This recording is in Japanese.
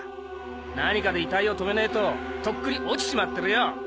何かで遺体を留めねえととっくに落ちちまってるよ！